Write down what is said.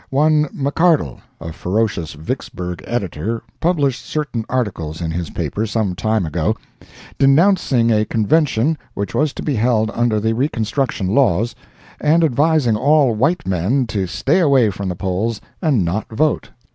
One McCardle, a ferocious Vicksburg editor, published certain articles in his paper, some time ago, denouncing a Convention which was to be held under the Reconstruction Laws, and advising all white men to stay away from the polls and not vote.